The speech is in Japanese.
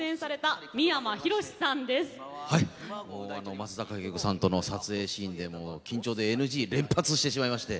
松坂慶子さんとの撮影シーンでもう緊張でＮＧ連発してしまいまして。